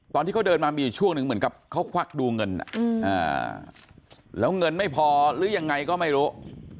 ตอนที่เขาเดินมามีอยู่ช่วงหนึ่งเหมือนกับเขาควักดูเงินแล้วเงินไม่พอหรือยังไงก็ไม่รู้